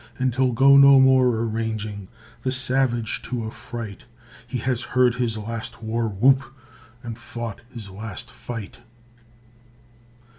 And he'll go no more a ranging, The savage to affright; He has heard his last war whoop, And fought his last fight.